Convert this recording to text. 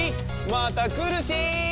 またくるし！